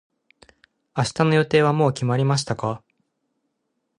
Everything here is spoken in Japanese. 明日の予定はもう決まりましたか。